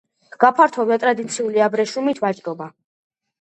გაფართოვდა ტრადიციული აბრეშუმით ვაჭრობა.